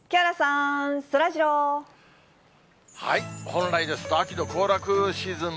本来ですと、秋の行楽シーズン